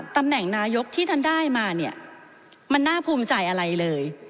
ตำแหน่งนายกที่ท่านได้มาเนี่ยมันน่าภูมิใจอะไรเลย